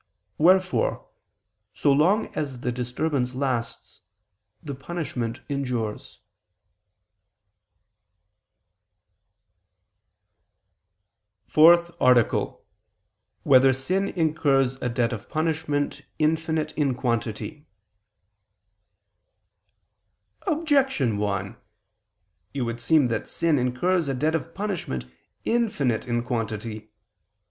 Wherefore, so long as the disturbance lasts, the punishment endures. ________________________ FOURTH ARTICLE [I II, Q. 87, Art. 4] Whether Sin Incurs a Debt of Punishment Infinite in Quantity? Objection 1: It would seem that sin incurs a debt of punishment infinite in quantity.